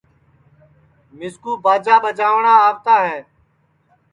مِسکُو باجا ٻجاوٹؔا آوتا ہے